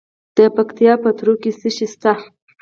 د پکتیکا په تروو کې څه شی شته؟